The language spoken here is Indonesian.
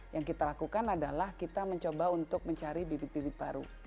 yang kita lakukan adalah kita mencoba untuk mencari bibit bibit baru